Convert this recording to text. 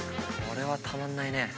これはたまんないね。